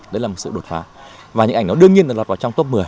đó là một sự đột phá và những ảnh đó đương nhiên được lọt vào trong top một mươi